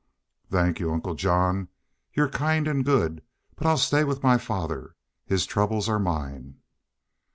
"Thank y'u, Uncle John. Y'u're kind and good. But I'll stay with my father. His troubles are mine."